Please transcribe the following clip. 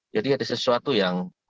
jadi ada sesuatu yang